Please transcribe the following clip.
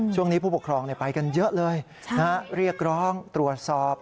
ผู้ปกครองไปกันเยอะเลยเรียกร้องตรวจสอบ